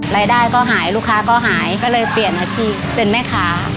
รายได้ก็หายลูกค้าก็หายก็เลยเปลี่ยนอาชีพเป็นแม่ค้า